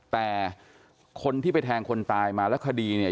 แต่คนที่ไปแทงคนตายมาแล้วคดีเนี่ย